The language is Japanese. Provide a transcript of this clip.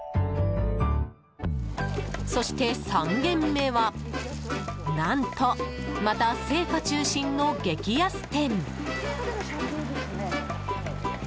そして３軒目は何と、また青果中心の激安店。